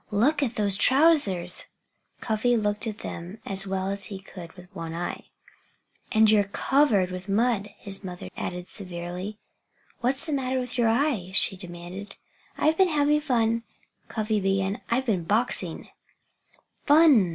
"Look at those trousers!" Cuffy looked at them as well as he could with his one good eye. "And you're covered with mud!" his mother added severely. "What's the matter with your eye?" she demanded. "I've been having fun " Cuffy began. "I've been boxing " "Fun!